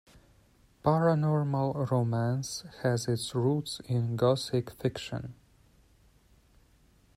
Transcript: Paranormal romance has its roots in Gothic fiction.